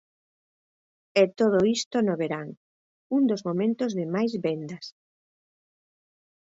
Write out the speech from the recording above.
E todo isto no verán, un dos momentos de máis vendas.